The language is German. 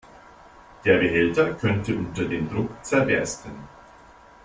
Der Behälter könnte unter dem Druck zerbersten.